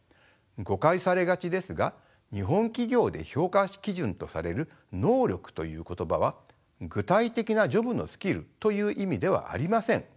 誤解されがちですが日本企業で評価基準とされる「能力」という言葉は具体的なジョブのスキルという意味ではありません。